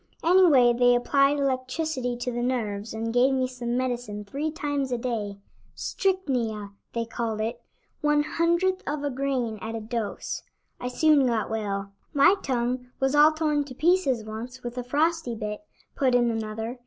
Anyway they applied electricity to the nerves and gave me some medicine three times a day 'strychnia,' they called it, one hundredth of a grain at a dose. I soon got well." "My tongue was all torn to pieces once with a frosty bit," put in another.